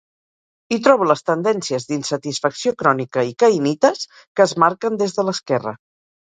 Hi trobo les tendències d'insatisfacció crònica i caïnites que es marquen des de l'esquerra.